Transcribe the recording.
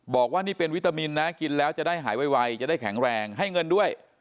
บอกว่านี่เป็นวิตามินนะกินแล้วจะได้หายไวจะได้แข็งแรงให้เงินด้วย